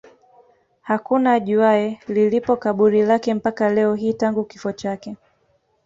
Hakuna ajuaye lilipo kaburi lake mpaka leo hii tangu kifo chake